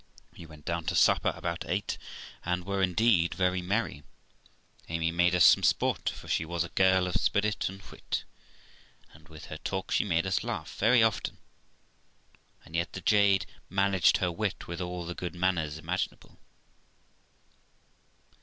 We sat down to supper about eight, and were indeed very merry. Amy THE LIFE OF ROXANA 21 7 made us some sport, for she was a girl of spirit and wit, and with her talk she made us laugh very often, and yet the jade managed her wit with all the good manners imaginable.